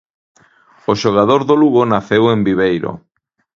O xogador do Lugo naceu en Viveiro.